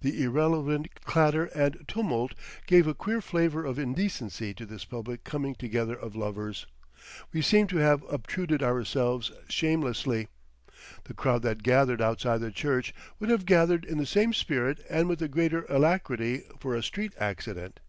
The irrelevant clatter and tumult gave a queer flavour of indecency to this public coming together of lovers. We seemed to have obtruded ourselves shamelessly. The crowd that gathered outside the church would have gathered in the same spirit and with greater alacrity for a street accident....